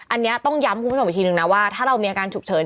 อันนี้ต้องย้ำคุณผู้ชมอีกทีนึงนะว่าถ้าเรามีอาการฉุกเฉิน